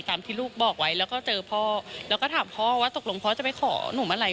ที่ลูกบอกไว้แล้วก็เจอพ่อแล้วก็ถามพ่อว่าตกลงพ่อจะไปขอหนุ่มอะไร